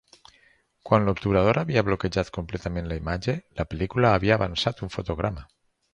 Quan l'obturador havia bloquejat completament la imatge, la pel·lícula havia avançat un fotograma.